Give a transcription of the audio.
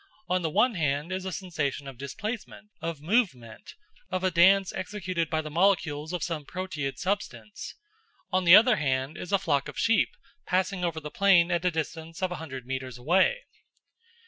On the one hand is a sensation of displacement, of movement, of a dance executed by the molecules of some proteid substance; on the other hand is a flock of sheep passing over the plain at a distance of a hundred metres away.